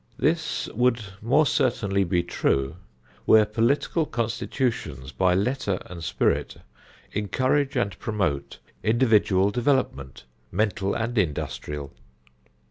This would more certainly be true where political constitutions by letter and spirit encourage and promote individual development, mental and industrial.